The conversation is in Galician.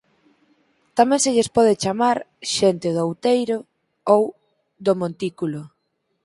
Tamén se lles pode chamar «xente do outeiro» ou «do montículo».